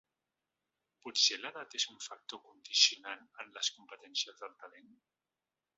Potser l’edat és un factor condicionant en les competències del talent?